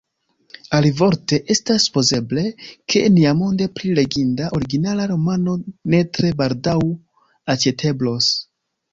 Alivorte, estas supozeble, ke niamonde pli leginda originala romano ne tre baldaŭ aĉeteblos.